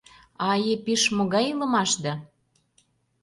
А-а, Епиш, могай илымашда?